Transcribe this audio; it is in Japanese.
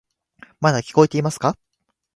まだ聞こえていますか？